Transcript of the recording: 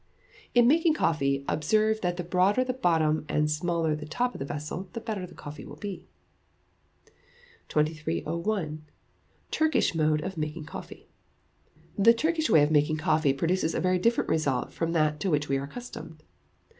In making Coffee, observe that the broader the bottom and the smaller the top of the vessel, the better the coffee will be. 2301. Turkish Mode of Making Coffee. The Turkish way of making coffee produces a very different result from that to which we are accustomed.